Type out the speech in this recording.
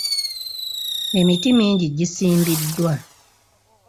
Emiti mingi gisimbiddwa.